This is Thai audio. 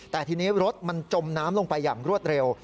แต่ทีนี้รถมันจมน้ำลงไปอย่างรวดเร็ว